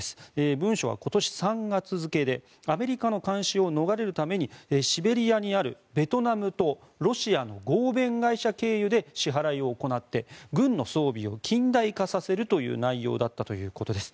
文書は今年３月付でアメリカの監視を逃れるためにシベリアにあるベトナムとロシアの合弁会社経由で支払いを行って軍の装備を近代化させるという内容だったということです。